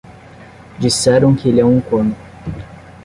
Disseram que ele é um corno.